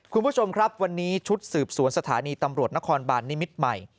คุณผู้ชมครับวันนี้ชุดสืบสวนสถานีตำรวจนครบานนิมิตรใหม่